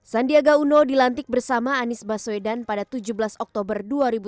sandiaga uno dilantik bersama anies baswedan pada tujuh belas oktober dua ribu tujuh belas